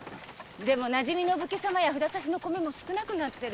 でもなじみのお武家さまや札差の米も少なくなってる。